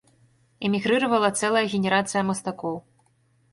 Эмігрыравала цэлая генерацыя мастакоў.